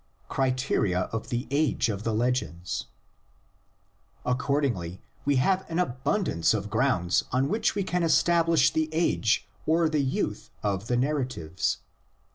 CRITERIA OF THE AGE OF THE LEGENDS. Accordingly we have an abundance of grounds on which we can establish the age or the youth of the narratives.